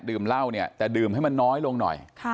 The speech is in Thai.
ดื่มเหล้าแต่ดื่มให้มันน้อยลงหน่อย